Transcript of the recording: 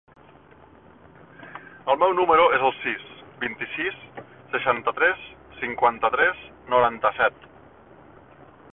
El meu número es el sis, vint-i-sis, seixanta-tres, cinquanta-tres, noranta-set.